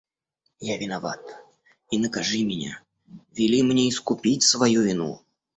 Я виноват, и накажи меня, вели мне искупить свою вину.